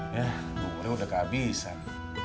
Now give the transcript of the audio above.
ya buburnya sudah kehabisan